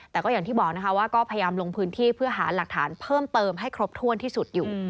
แต่ก็อย่างที่บอกนะคะว่าก็พยายามลงพื้นที่เพื่อหาหลักฐานเพิ่มเติมให้ครบถ้วนที่สุดอยู่